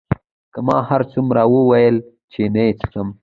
که ما هرڅومره وویل چې نه یې څښم.